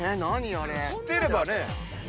知ってればね。